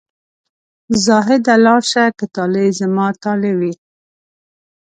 زاهده لاړ شه که طالع زما طالع وي.